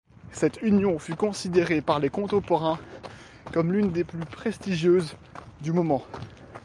Cette union fut considérée par les contemporains comme l'une des plus prestigieuses du moment.